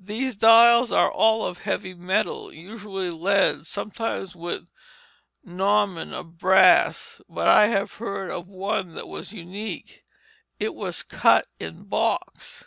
These dials are all of heavy metal, usually lead; sometimes with gnomon of brass. But I have heard of one which was unique; it was cut in box.